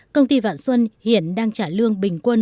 công ty vạn xuân hiện đang trả lương bình quân